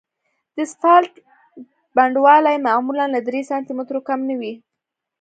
د اسفالټ پنډوالی معمولاً له درې سانتي مترو کم نه وي